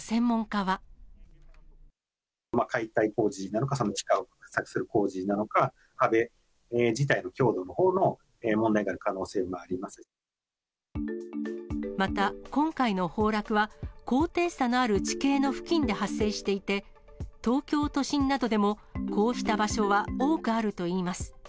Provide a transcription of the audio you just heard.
解体工事なのか、地下を掘削する工事なのか、壁自体の強度のほうの問題があるまた、今回の崩落は、高低差のある地形の付近で発生していて、東京都心などでも、こうした場所は多くあるといいます。